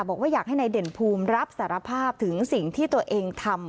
บอกว่าอยากให้นายเด่นภูมิรับสารภาพถึงสิ่งที่ตัวเองทำ